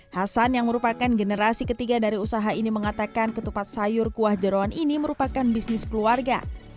hasan yang merupakan generasi ketiga dari usaha ini mengatakan ketupat sayur kuah jerawan ini merupakan bisnis keluarga